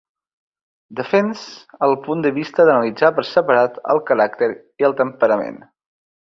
Defense el punt de vista d'analitzar per separat el caràcter i el temperament.